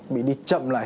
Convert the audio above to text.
bị đi chậm lại